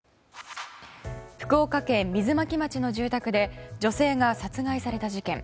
福岡県水巻町の住宅で女性が殺害された事件。